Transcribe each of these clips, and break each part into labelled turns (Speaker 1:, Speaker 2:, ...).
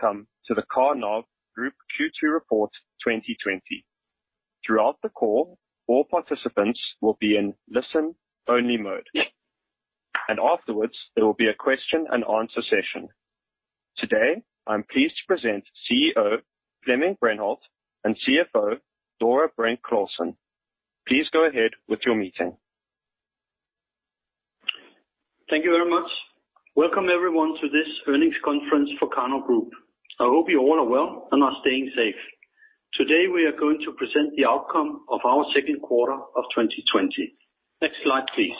Speaker 1: Welcome to the Karnov Group Q2 report 2020. Throughout the call, all participants will be in listen only mode. Afterwards, there will be a question and answer session. Today, I'm pleased to present CEO Flemming Breinholt and CFO Dora Brink Clausen. Please go ahead with your meeting.
Speaker 2: Thank you very much. Welcome, everyone, to this earnings conference for Karnov Group. I hope you all are well and are staying safe. Today, we are going to present the outcome of our second quarter of 2020. Next slide, please.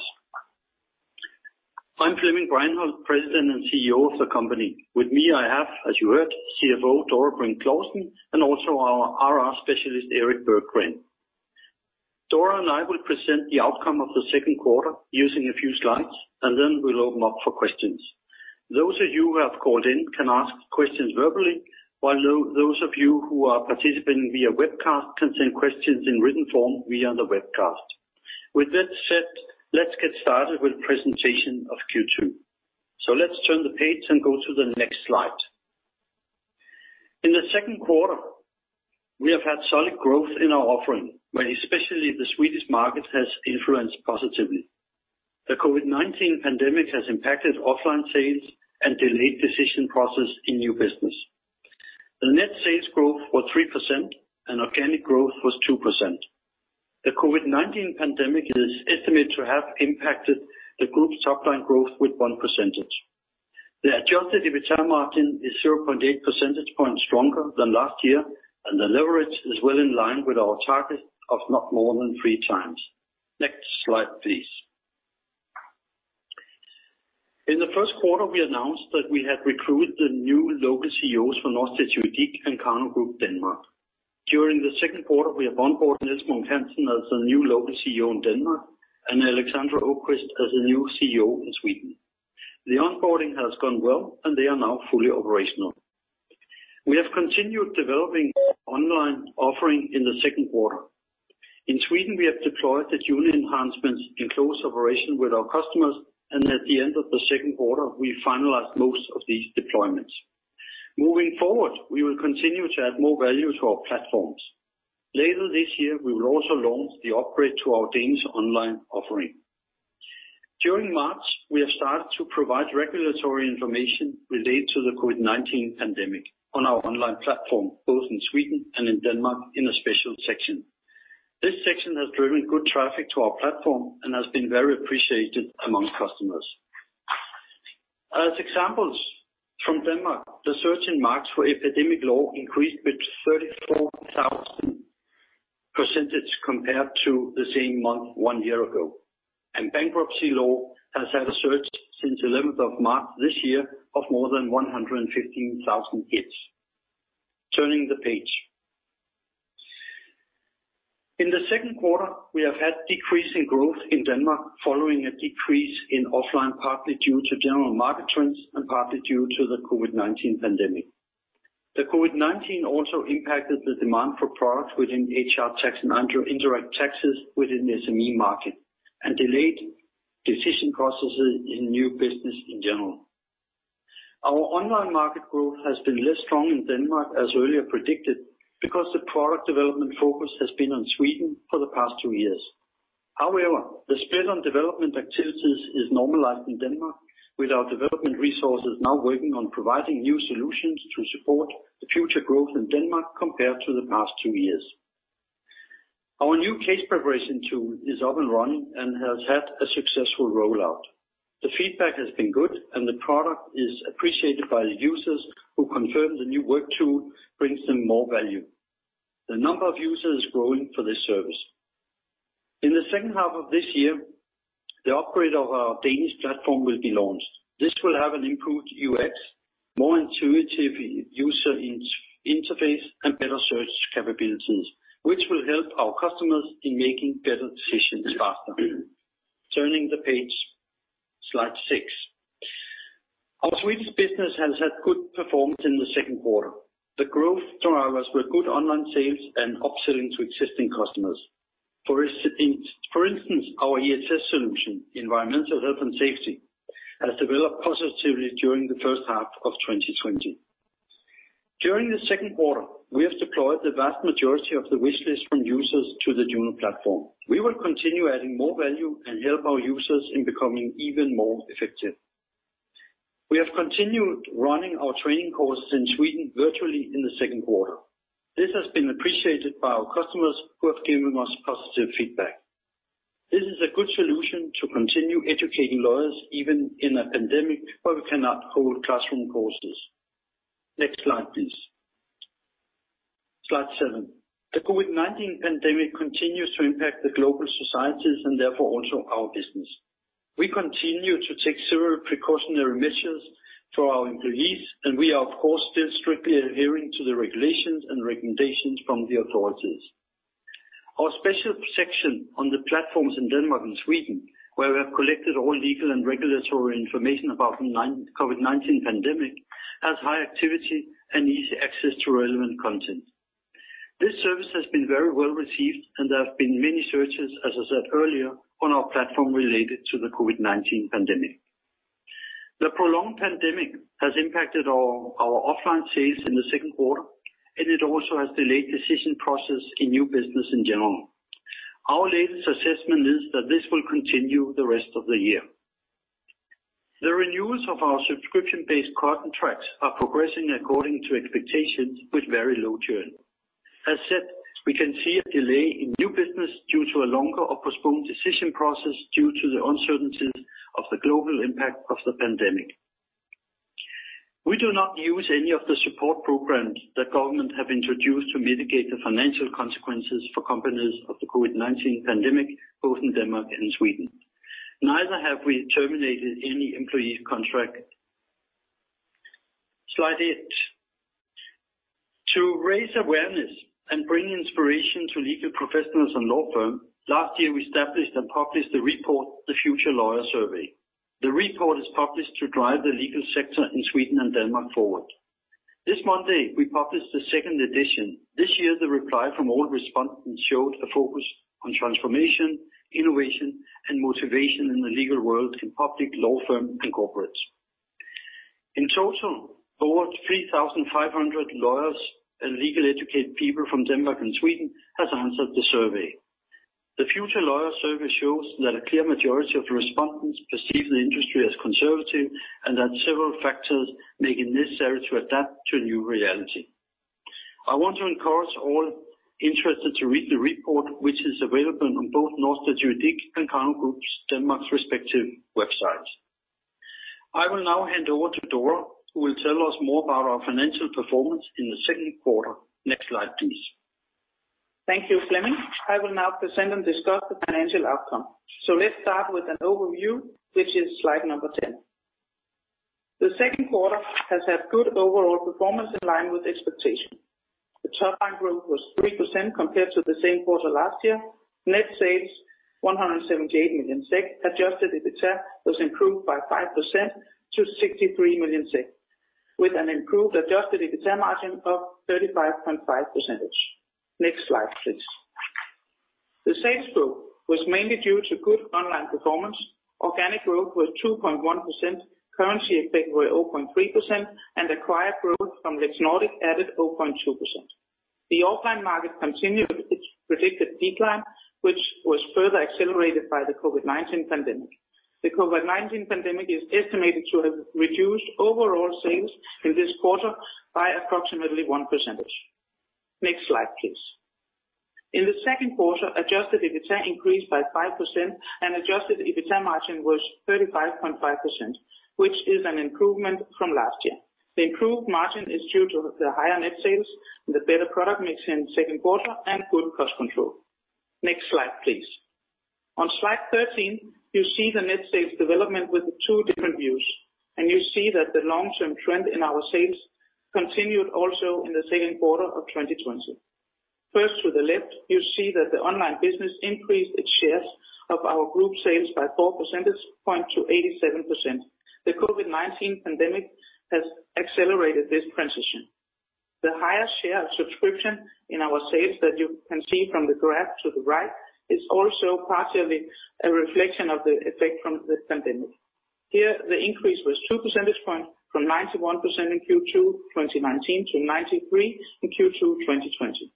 Speaker 2: I'm Flemming Breinholt, President and CEO of the company. With me I have, as you heard, CFO Dora Brink Clausen and also our IR specialist, Erik Berggren. Dora and I will present the outcome of the second quarter using a few slides, and then we'll open up for questions. Those of you who have called in can ask questions verbally, while those of you who are participating via webcast can send questions in written form via the webcast. With that said, let's get started with presentation of Q2. Let's turn the page and go to the next slide. In the second quarter, we have had solid growth in our offering, where especially the Swedish market has influenced positively. The COVID-19 pandemic has impacted offline sales and delayed decision process in new business. The net sales growth was 3% and organic growth was 2%. The COVID-19 pandemic is estimated to have impacted the group's top line growth with one percentage. The adjusted EBITDA margin is 0.8 percentage points stronger than last year, and the leverage is well in line with our target of not more than three times. Next slide, please. In the first quarter, we announced that we had recruited new local CEOs for Norstedts Juridik and Karnov Group Denmark. During the second quarter, we have onboarded Niels Munk Hansen as the new local CEO in Denmark and Alexandra Åquist as the new CEO in Sweden. The onboarding has gone well, and they are now fully operational. We have continued developing our online offering in the second quarter. In Sweden, we have deployed the JUNO enhancements in close operation with our customers. At the end of the second quarter, we finalized most of these deployments. Moving forward, we will continue to add more value to our platforms. Later this year, we will also launch the upgrade to our Danish online offering. During March, we have started to provide regulatory information related to the COVID-19 pandemic on our online platform, both in Sweden and in Denmark in a special section. This section has driven good traffic to our platform and has been very appreciated among customers. As examples from Denmark, the search in March for epidemic law increased with 34,000% compared to the same month one year ago. Bankruptcy law has had a search since 11th of March this year of more than 115,000 hits. Turning the page. In the second quarter, we have had decrease in growth in Denmark following a decrease in offline, partly due to general market trends and partly due to the COVID-19 pandemic. The COVID-19 also impacted the demand for products within HR, tax, and indirect taxes within the SME market and delayed decision processes in new business in general. Our online market growth has been less strong in Denmark as earlier predicted because the product development focus has been on Sweden for the past two years. However, the spend on development activities is normalized in Denmark, with our development resources now working on providing new solutions to support the future growth in Denmark compared to the past two years. Our new case preparation tool is up and running and has had a successful rollout. The feedback has been good and the product is appreciated by the users who confirm the new work tool brings them more value. The number of users is growing for this service. In the second half of this year, the upgrade of our Danish platform will be launched. This will have an improved UX, more intuitive user interface, and better search capabilities, which will help our customers in making better decisions faster. Turning the page, slide six. Our Swedish business has had good performance in the second quarter. The growth drivers were good online sales and upselling to existing customers. For instance, our EHS solution, Environmental Health and Safety, has developed positively during the first half of 2020. During the second quarter, we have deployed the vast majority of the wish list from users to the JUNO platform. We will continue adding more value and help our users in becoming even more effective. We have continued running our training courses in Sweden virtually in the second quarter. This has been appreciated by our customers who have given us positive feedback. This is a good solution to continue educating lawyers even in a pandemic where we cannot hold classroom courses. Next slide, please. Slide seven. The COVID-19 pandemic continues to impact the global societies and therefore also our business. We continue to take several precautionary measures for our employees, and we are of course still strictly adhering to the regulations and recommendations from the authorities. Our special section on the platforms in Denmark and Sweden, where we have collected all legal and regulatory information about the COVID-19 pandemic, has high activity and easy access to relevant content. This service has been very well received, and there have been many searches, as I said earlier, on our platform related to the COVID-19 pandemic. The prolonged pandemic has impacted our offline sales in the second quarter, and it also has delayed decision process in new business in general. Our latest assessment is that this will continue the rest of the year. The renewals of our subscription-based contracts are progressing according to expectations with very low churn. As said, we can see a delay in new business due to a longer or postponed decision process due to the uncertainties of the global impact of the pandemic. We do not use any of the support programs that government have introduced to mitigate the financial consequences for companies of the COVID-19 pandemic, both in Denmark and Sweden. Neither have we terminated any employee contract. Slide eight. To raise awareness and bring inspiration to legal professionals and law firm, last year we established and published the report, The Future Lawyer Survey. The report is published to drive the legal sector in Sweden and Denmark forward. This Monday, we published the second edition. This year, the reply from all respondents showed a focus on transformation, innovation, and motivation in the legal world, in public law firm and corporates. In total, towards 3,500 lawyers and legal educated people from Denmark and Sweden has answered the survey. The Future Lawyer Survey shows that a clear majority of the respondents perceive the industry as conservative and that several factors make it necessary to adapt to a new reality. I want to encourage all interested to read the report, which is available on both Norstedts Juridik and Karnov Group Denmark's respective websites. I will now hand over to Dora, who will tell us more about our financial performance in the second quarter. Next slide, please.
Speaker 3: Thank you, Flemming. I will now present and discuss the financial outcome. Let's start with an overview, which is slide number 10. The second quarter has had good overall performance in line with expectation. The top-line growth was 3% compared to the same quarter last year. Net sales, 178 million SEK. Adjusted EBITA was improved by 5% to 63 million SEK, with an improved adjusted EBITA margin of 35.5%. Next slide, please. The sales growth was mainly due to good online performance. Organic growth was 2.1%, currency effect were 0.3%, and acquired growth from Lexnova added 0.2%. The offline market continued its predicted decline, which was further accelerated by the COVID-19 pandemic. The COVID-19 pandemic is estimated to have reduced overall sales in this quarter by approximately 1%. Next slide, please. In the second quarter, adjusted EBITA increased by 5% and adjusted EBITA margin was 35.5%, which is an improvement from last year. The improved margin is due to the higher net sales and the better product mix in the second quarter and good cost control. Next slide, please. On slide 13, you see the net sales development with two different views, and you see that the long-term trend in our sales continued also in the second quarter of 2020. First to the left, you see that the online business increased its shares of our group sales by four percentage point to 87%. The COVID-19 pandemic has accelerated this transition. The highest share of subscription in our sales that you can see from the graph to the right is also partially a reflection of the effect from this pandemic. Here, the increase was two percentage points from 91% in Q2 2019 to 93% in Q2 2020.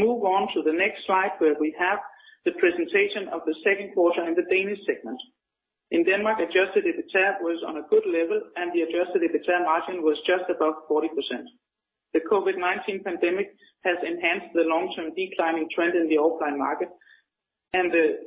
Speaker 3: Move on to the next slide where we have the presentation of the second quarter in the Danish segment. In Denmark, adjusted EBITA was on a good level, and the adjusted EBITA margin was just above 40%. The COVID-19 pandemic has enhanced the long-term declining trend in the offline market, and the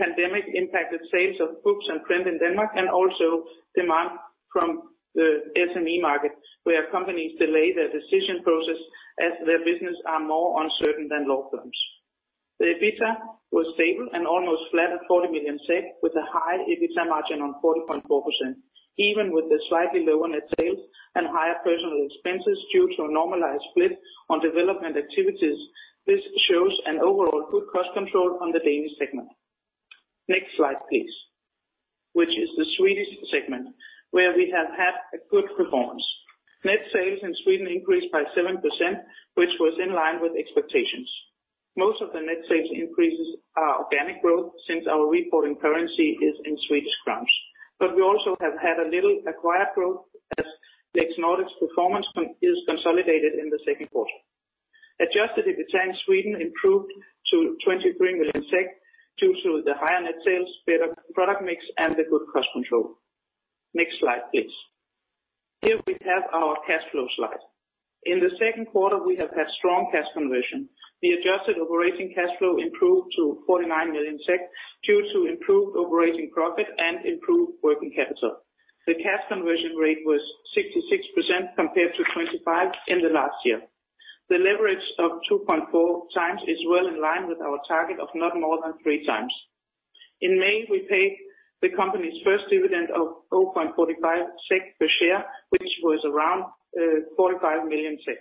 Speaker 3: pandemic impacted sales of books and print in Denmark, and also demand from the SME market, where companies delay their decision process as their business are more uncertain than law firms. The EBITA was stable and almost flat at 40 million SEK with a high EBITA margin on 40.4%. Even with the slightly lower net sales and higher personal expenses due to a normalized split on development activities, this shows an overall good cost control on the Danish segment. Next slide, please, which is the Swedish segment, where we have had a good performance. Net sales in Sweden increased by 7%, which was in line with expectations. Most of the net sales increases are organic growth since our reporting currency is in SEK. We also have had a little acquired growth as Lexnova's performance is consolidated in the second quarter. Adjusted EBITA in Sweden improved to 23 million SEK due to the higher net sales, better product mix, and the good cost control. Next slide, please. Here we have our cash flow slide. In the second quarter, we have had strong cash conversion. The adjusted operating cash flow improved to 49 million SEK due to improved operating profit and improved working capital. The cash conversion rate was 66% compared to 25% in the last year. The leverage of 2.4 times is well in line with our target of not more than three times. In May, we paid the company's first dividend of 0.45 SEK per share, which was around 45 million SEK.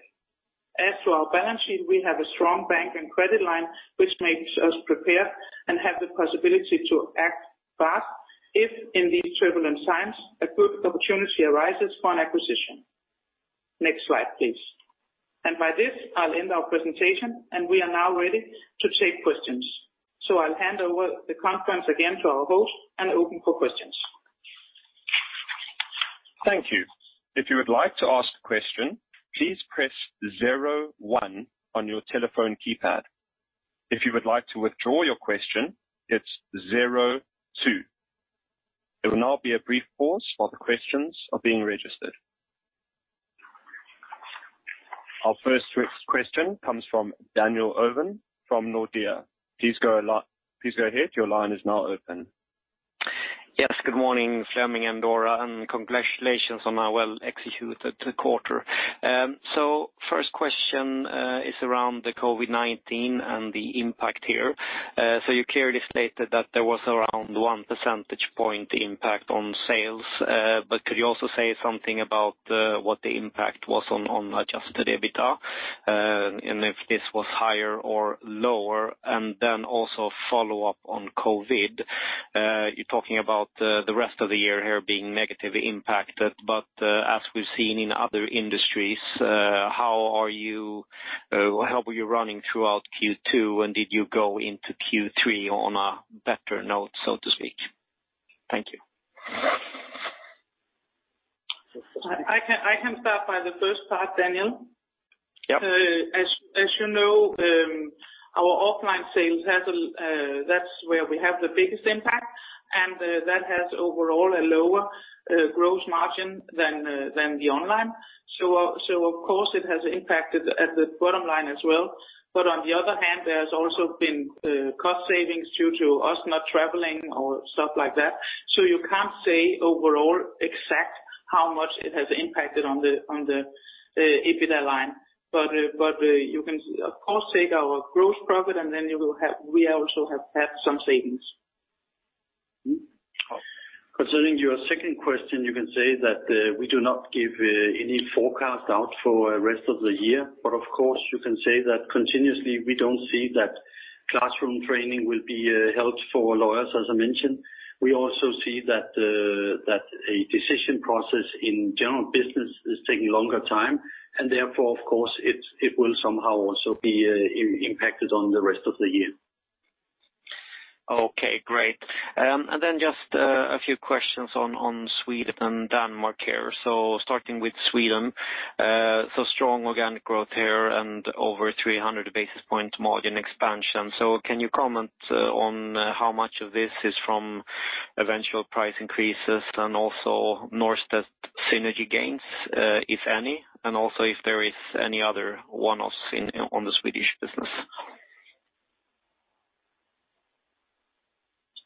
Speaker 3: As to our balance sheet, we have a strong bank and credit line which makes us prepared and have the possibility to act fast if in these turbulent times a good opportunity arises for an acquisition. Next slide, please. By this, I'll end our presentation, and we are now ready to take questions. I'll hand over the conference again to our host and open for questions.
Speaker 1: Thank you. If you would like to ask a question, please press zero one on your telephone keypad. If you would like to withdraw your question, it is zero two. There will now be a brief pause while the questions are being registered. Our first question comes from Daniel Ovin from Nordea. Please go ahead. Your line is now open.
Speaker 4: Yes, good morning, Flemming and Dora, and congratulations on a well-executed quarter. First question is around the COVID-19 and the impact here. You clearly stated that there was around one percentage point impact on sales. Could you also say something about what the impact was on adjusted EBITDA, and if this was higher or lower? Also follow up on COVID. You're talking about the rest of the year here being negatively impacted, but as we've seen in other industries, how were you running throughout Q2, and did you go into Q3 on a better note, so to speak? Thank you.
Speaker 3: I can start by the first part, Daniel.
Speaker 4: Yep.
Speaker 3: As you know, our offline sales, that's where we have the biggest impact. That has overall a lower gross margin than the online. Of course it has impacted at the bottom line as well. On the other hand, there's also been cost savings due to us not traveling or stuff like that. You can't say overall exact how much it has impacted on the EBITDA line. You can of course take our gross profit and then we also have had some savings.
Speaker 2: Concerning your second question, you can say that we do not give any forecast out for rest of the year. Of course, you can say that continuously we don't see that classroom training will be held for lawyers, as I mentioned. We also see that a decision process in general business is taking longer time, and therefore of course it will somehow also be impacted on the rest of the year.
Speaker 4: Okay, great. Then just a few questions on Sweden and Denmark here. Starting with Sweden. Strong organic growth here and over 300 basis points margin expansion. Can you comment on how much of this is from eventual price increases and also Norstedts synergy gains, if any, and also if there is any other one-offs on the Swedish business?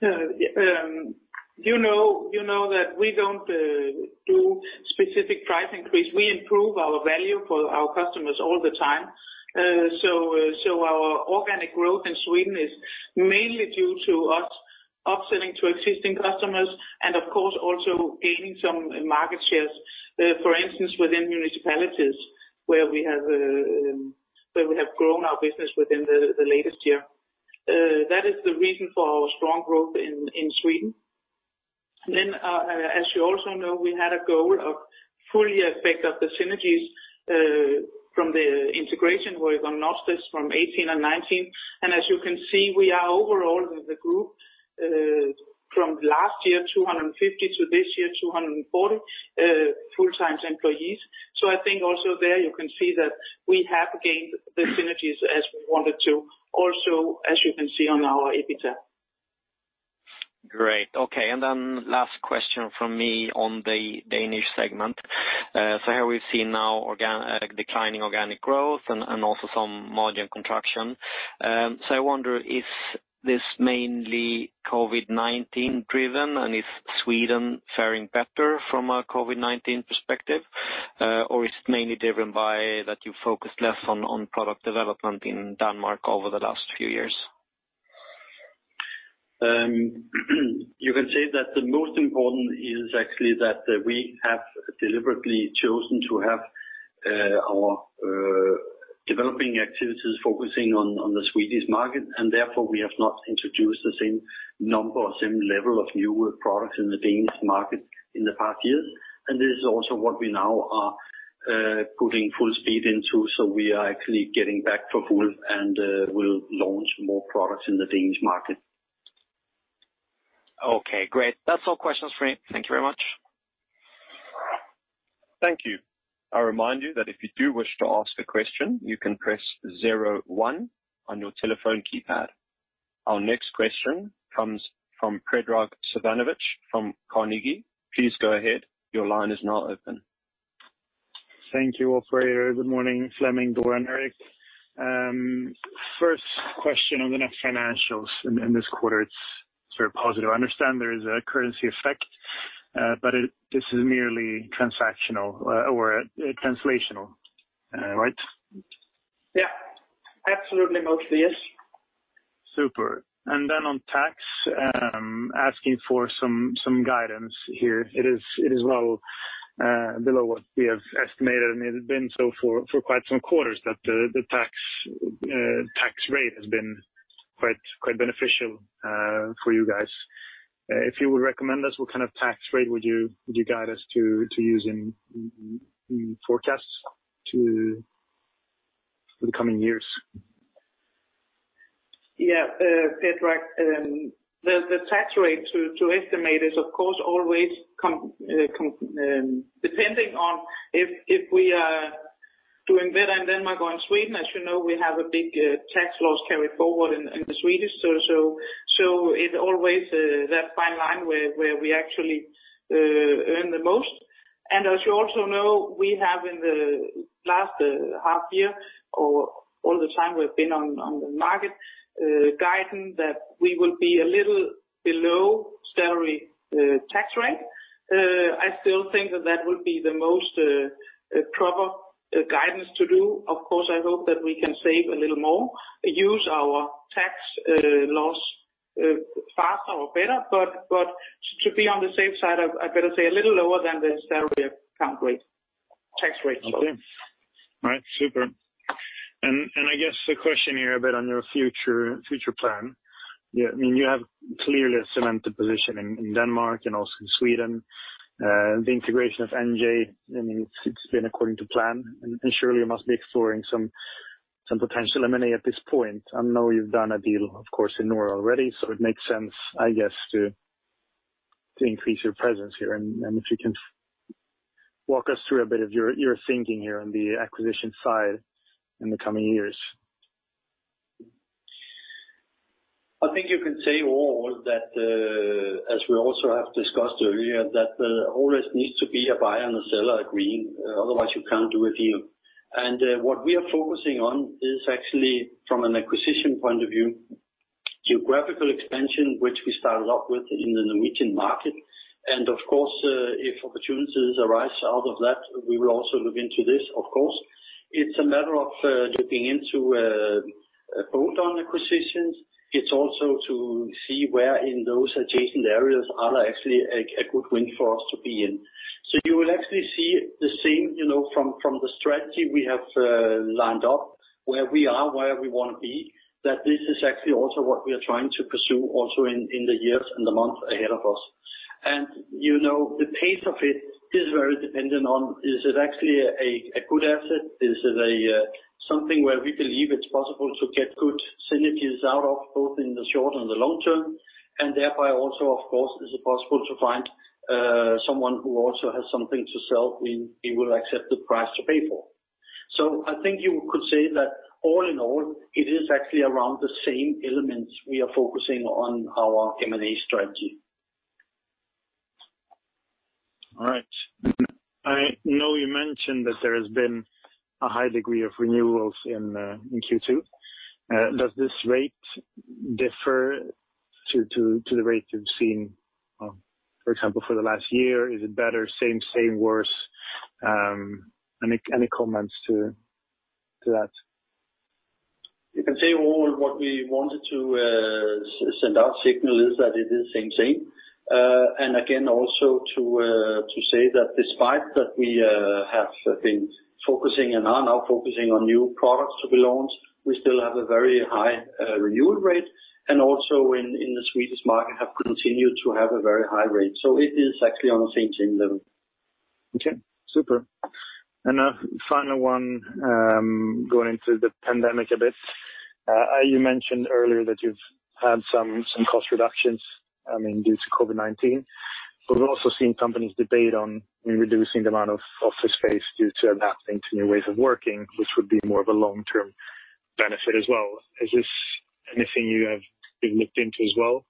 Speaker 3: You know that we don't do specific price increase. We improve our value for our customers all the time. Our organic growth in Sweden is mainly due to us upselling to existing customers and of course also gaining some market shares. For instance, within municipalities where we have grown our business within the latest year. That is the reason for our strong growth in Sweden. As you also know, we had a goal of fully effect of the synergies from the integration work on Norstedts from 2018 and 2019. As you can see, we are overall the group from last year, 250 to this year, 240 full-time employees. I think also there you can see that we have gained the synergies as we wanted to, also as you can see on our EBITDA.
Speaker 4: Great. Okay, last question from me on the Danish segment. Here we see now declining organic growth and also some margin contraction. I wonder, is this mainly COVID-19 driven, and is Sweden faring better from a COVID-19 perspective? Is it mainly driven by that you focus less on product development in Denmark over the last few years?
Speaker 2: You can say that the most important is actually that we have deliberately chosen to have our developing activities focusing on the Swedish market, and therefore we have not introduced the same number or same level of new products in the Danish market in the past years. This is also what we now are putting full speed into. We are actually getting back to full and we'll launch more products in the Danish market.
Speaker 4: Okay, great. That's all questions for me. Thank you very much.
Speaker 1: Thank you. I remind you that if you do wish to ask a question, you can press zero one on your telephone keypad. Our next question comes from Predrag Savinovic from Carnegie. Please go ahead. Your line is now open.
Speaker 5: Thank you, operator. Good morning, Flemming, Dora, and Erik. First question on the net financials in this quarter, it's very positive. I understand there is a currency effect, but this is merely transactional or translational, right?
Speaker 3: Yeah. Absolutely mostly, yes.
Speaker 5: Super. On tax, asking for some guidance here. It is Below what we have estimated, and it has been so for quite some quarters, that the tax rate has been quite beneficial for you guys. If you would recommend us, what kind of tax rate would you guide us to use in forecasts for the coming years?
Speaker 3: Yeah. Predrag, the tax rate to estimate is, of course, always depending on if we are doing better in Denmark or in Sweden. As you know, we have a big tax loss carry forward in the Swedish. It's always that fine line where we actually earn the most. As you also know, we have in the last half year or all the time we've been on the market, guiding that we will be a little below statutory tax rate. I still think that that would be the most proper guidance to do. Of course, I hope that we can save a little more, use our tax loss faster or better. To be on the safe side, I better say a little lower than the statutory tax rate. Tax rate, sorry.
Speaker 5: Okay. All right, super. I guess a question here a bit on your future plan. You have clearly a cemented position in Denmark and also in Sweden. The integration of NJ, it's been according to plan, and surely you must be exploring some potential M&A at this point. I know you've done a deal, of course, in Norway already, so it makes sense, I guess, to increase your presence here. If you can walk us through a bit of your thinking here on the acquisition side in the coming years.
Speaker 2: I think you can say, all, that as we also have discussed earlier, that there always needs to be a buyer and a seller agreeing, otherwise you can't do a deal. What we are focusing on is actually from an acquisition point of view, geographical expansion, which we started off with in the Norwegian market. Of course, if opportunities arise out of that, we will also look into this, of course. It's a matter of looking into bolt-on acquisitions. It's also to see where in those adjacent areas are there actually a good win for us to be in. You will actually see the same from the strategy we have lined up, where we are, where we want to be, that this is actually also what we are trying to pursue also in the years and the months ahead of us. The pace of it is very dependent on, is it actually a good asset? Is it something where we believe it's possible to get good synergies out of, both in the short and the long term? Thereby also, of course, is it possible to find someone who also has something to sell and he will accept the price to pay for? I think you could say that all in all, it is actually around the same elements we are focusing on our M&A strategy.
Speaker 5: All right. I know you mentioned that there has been a high degree of renewals in Q2. Does this rate differ to the rate you've seen, for example, for the last year? Is it better, same, worse? Any comments to that?
Speaker 2: You can say, what we wanted to send out signal is that it is same. Again, also to say that despite that we have been focusing and are now focusing on new products to be launched, we still have a very high renewal rate, and also in the Swedish market have continued to have a very high rate. It is actually on the same trend level.
Speaker 5: Okay, super. A final one, going into the pandemic a bit. You mentioned earlier that you've had some cost reductions, due to COVID-19. We've also seen companies debate on reducing the amount of office space due to adapting to new ways of working, which would be more of a long-term benefit as well. Is this anything you have been looked into as well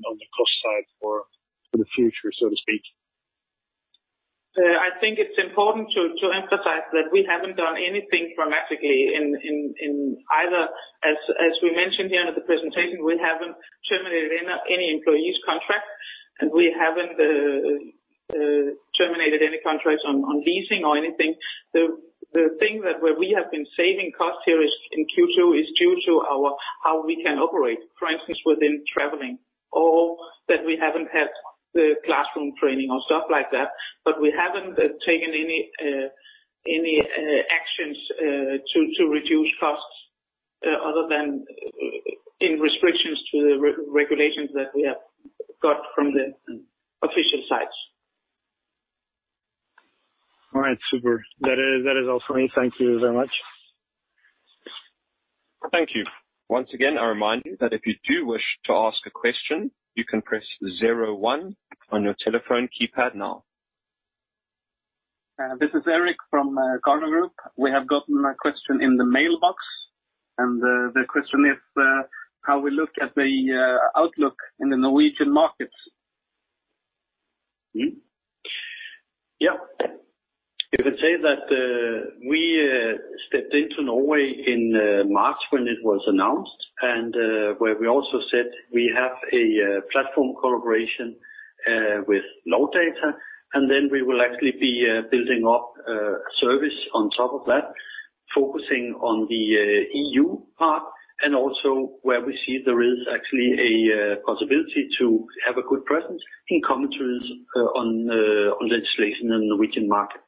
Speaker 5: on the cost side for the future, so to speak?
Speaker 3: I think it's important to emphasize that we haven't done anything dramatically in either, as we mentioned here at the presentation, we haven't terminated any employee's contract, and we haven't terminated any contracts on leasing or anything. The thing where we have been saving costs here in Q2 is due to how we can operate. For instance, within traveling, or that we haven't had the classroom training or stuff like that. We haven't taken any actions to reduce costs, other than in restrictions to the regulations that we have got from the official sides.
Speaker 5: All right. Super. That is all for me. Thank you very much.
Speaker 1: Thank you. Once again, a reminder that if you do wish to ask a question, you can press zero one on your telephone keypad now.
Speaker 6: This is Erik from Karnov Group. We have gotten a question in the mailbox. The question is, how we look at the outlook in the Norwegian markets.
Speaker 2: Yeah. You could say that we stepped into Norway in March when it was announced, and where we also said we have a platform collaboration with Lowdata, and then we will actually be building up a service on top of that, focusing on the EU part and also where we see there is actually a possibility to have a good presence in commentaries on legislation in the Norwegian market.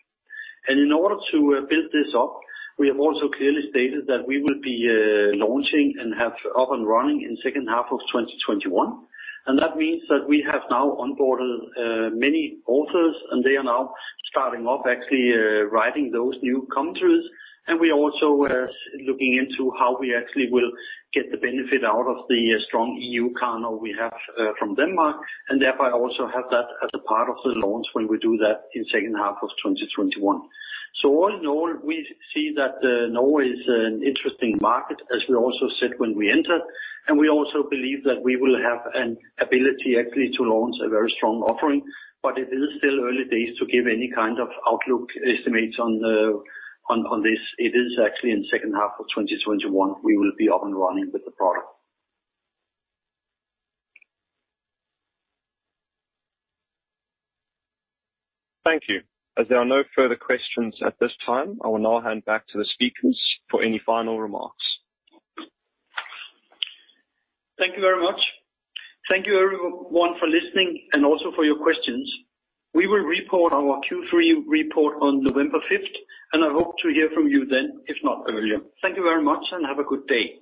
Speaker 2: In order to build this up, we have also clearly stated that we will be launching and have up and running in second half of 2021. That means that we have now onboarded many authors, and they are now starting off actually writing those new commentaries. We also were looking into how we actually will get the benefit out of the strong Karnov Group Denmark we have from Denmark, and thereby also have that as a part of the launch when we do that in second half of 2021. All in all, we see that Norway is an interesting market, as we also said when we entered. We also believe that we will have an ability actually to launch a very strong offering. It is still early days to give any kind of outlook estimates on this. It is actually in second half of 2021, we will be up and running with the product.
Speaker 1: Thank you. As there are no further questions at this time, I will now hand back to the speakers for any final remarks.
Speaker 2: Thank you very much. Thank you, everyone, for listening and also for your questions. We will report our Q3 report on November 5th, and I hope to hear from you then, if not earlier. Thank you very much and have a good day.